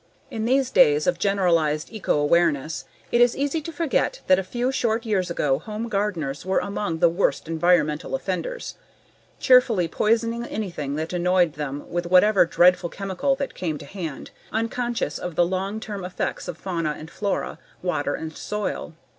In these days of generalized eco awareness, it is easy to forget that a few short years ago, home gardeners were among the worst environmental offenders, cheerfully poisoning anything that annoyed them with whatever dreadful chemical that came to hand, unconscious of the long term effects on fauna and flora, water and soil.